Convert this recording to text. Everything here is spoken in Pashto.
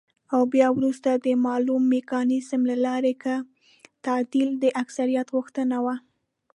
او بيا وروسته د مالوم ميکانيزم له لارې که تعديل د اکثريت غوښتنه وه،